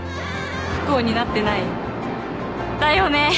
不幸になってない？だよね